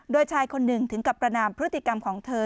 โดยชายคนหนึ่งถึงกับประนามพฤติกรรมของเธอ